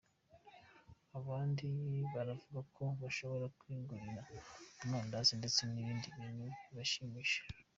abandi bo bakavuga ko bashobora kwigurira amandazi, ndetse n’ibindi bintu bibashimishije”